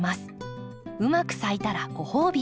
うまく咲いたらご褒美。